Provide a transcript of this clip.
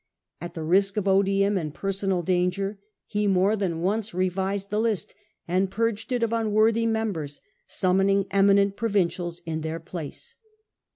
At the risk of odium and personal danger he more than once revised the list, and purged it of unworthy members, summoning eminent pro vincials in their place.